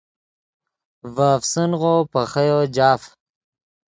ڤے افسنغو پے خییو جاف